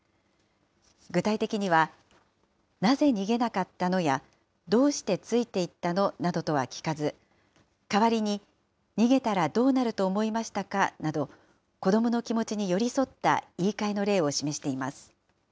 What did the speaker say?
具体的には、なぜ逃げなかったのやどうしてついていったのなどとは聞かず、代わりに逃げたらどうなると思いましたかなど、子どもの気持ちに寄り添った言いかえの例を示しています。